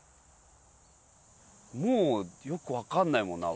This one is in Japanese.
もうよくわかんないもんな。